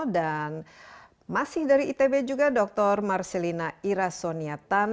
dan masih dari itb juga dr marcelina irasuno